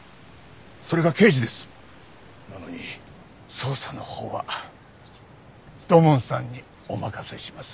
捜査のほうは土門さんにお任せします。